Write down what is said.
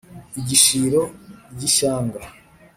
igishiro ry’ishyanga